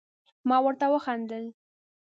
ما ورته وخندل ،